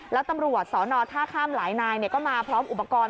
แล้วตำรวจสอนอท่าข้ามหลายนายก็มาพร้อมอุปกรณ์